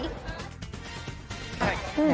ชอบ